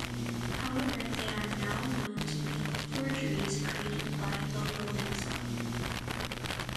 However, they are now known to be forgeries created by Iolo himself.